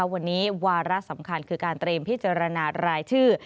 วันนี้วาระสำคัญคือการเตรียมพิจารณารายชื่อ